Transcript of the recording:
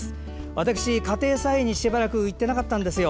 私、家庭菜園にしばらく行ってなかったんですよ。